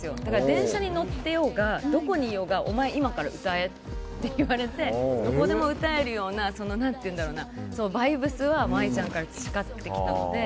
電車に乗ってようがどこにいようがお前今から歌えって言われてどこでも歌えるようなバイブスはＡＩちゃんから培ってきたので。